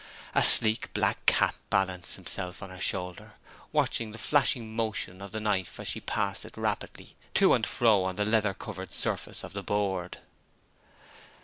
A sleek black cat balanced himself on her shoulder, watching the flashing motion of the knife as she passed it rapidly to and fro on the leather covered surface of the board.